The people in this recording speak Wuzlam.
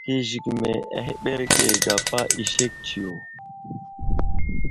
Hi zigəmi ahəɓerge gapa i sek tsiyo.